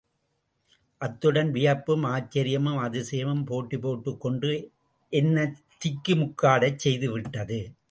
அத்துடன் வியப்பும் ஆச்சரியமும் அதிசயமும் போட்டிபோட்டுக் கொண்டு என்னைத்திக்கு முக்காடச் செய்து விட்டது.